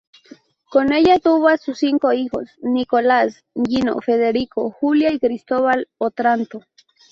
Con ella tuvo a sus cinco hijos: Nicolás, Gino, Federico, Julia y Cristóbal Otranto.